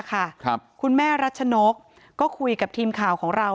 เราคุยกับนายชัยนรงค์อดีตสามีไปแล้ว